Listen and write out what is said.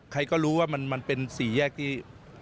ใครก็รู้ว่ามันเป็นสี่แยกที่